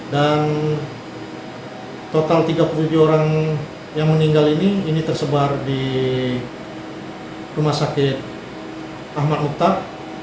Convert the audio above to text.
dan total tiga puluh tujuh orang yang meninggal ini ini tersebar di rumah sakit ahmad muqtad